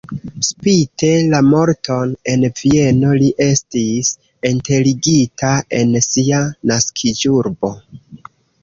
Spite la morton en Vieno li estis enterigita en sia naskiĝurbo.